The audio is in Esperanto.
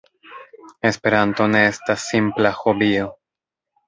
Esperanto ne estas simpla hobio.